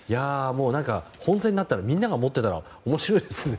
本戦になって、みんなが持ってたら面白いですよね。